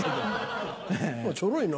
ちょろいな。